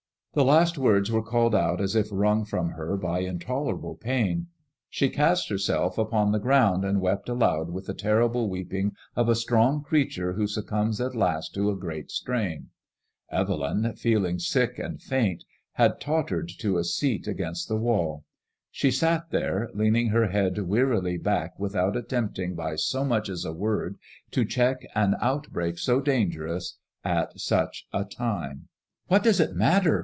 The last words were called out as if wrung from her by intoler« , able pain. She cast herself upon the ground and wept aloud with the terrible weeping of a strong creature who succumbs at last to a great strain. Evelyn, feeling ^ MADfiMOISELLB IXK. 1 73 sick and faint, had tottered to a seat against the wall. She sat there leaning her head wearily back without attempting by so much as a word to check an out break so dangerous at such 9 feime. " What does it matter